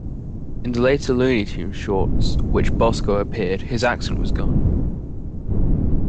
In the later "Looney Tunes" shorts which Bosko appeared, his accent was gone.